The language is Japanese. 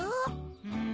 うん。